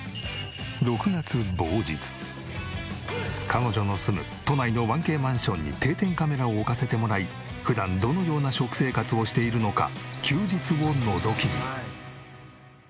彼女の住む都内の１Ｋマンションに定点カメラを置かせてもらい普段どのような食生活をしているのか休日をのぞき見。